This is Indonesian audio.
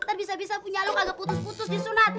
terbisa bisa punya lo kagak putus putus disunat